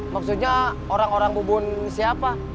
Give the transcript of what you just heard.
maksudnya orang orang bubun siapa